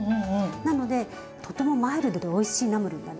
なのでとてもマイルドでおいしいナムルになるんです。